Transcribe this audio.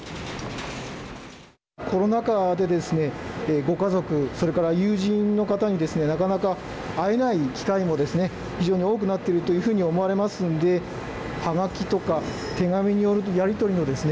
コロナ禍でですねご家族、それから友人の方にですねなかなか会えない機会も非常に多くなっていると思われますのではがきとか、手紙によるやりとりのですね